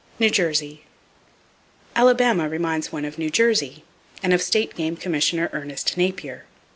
[Page 253] New Jersey. —Alabama reminds one of New Jersey, and of State Game Commissioner Ernest Napier.